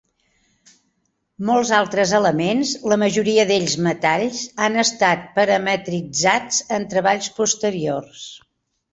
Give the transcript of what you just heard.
Molts altres elements, la majoria d'ells metalls, han estat parametritzats en treballs posteriors.